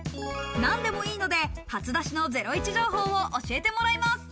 何でもいいので初出しのゼロイチ情報を教えてもらいます。